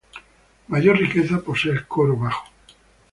Mayor riqueza posee el coro bajo.